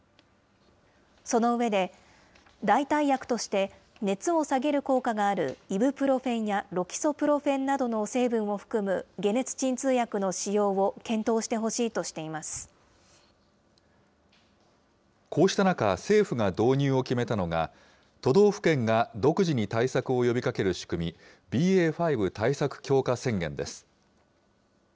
その上で、代替薬として熱を下げる効果があるイブプロフェンやロキソプロフェンなどの成分を含む解熱鎮痛薬の使用を検討してほしいとしていこうした中、政府が導入を決めたのが、都道府県が独自に対策を呼びかける仕組み、ＢＡ．５対策強化宣言です。